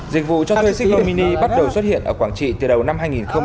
dịch vụ cho thuê xích lô mini bắt đầu xuất hiện ở quảng trị từ đầu năm hai nghìn một mươi năm